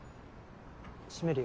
閉めるよ。